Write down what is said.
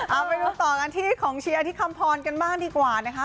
เอาไปดูต่อกันที่ของเชียร์ที่คำพรกันบ้างดีกว่านะคะ